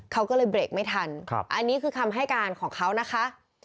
เขาก็เลยเบรกไม่ทันอันนี้คือคำให้การของเขานะคะ